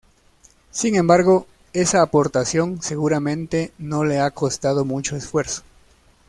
Sin embargo, esa aportación seguramente no le ha costado mucho esfuerzo.